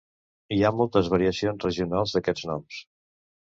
Hi ha moltes variacions regionals d'aquests noms.